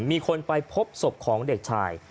มีคนไปพบศพของเด็กชาย